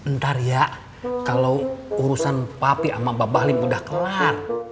ntar ya kalo urusan papi sama bapak lim udah kelar